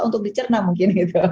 untuk dicerna mungkin gitu